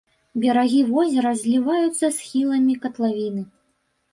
Берагі возера зліваюцца з схіламі катлавіны.